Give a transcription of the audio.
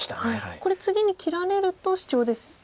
これ次に切られるとシチョウですか？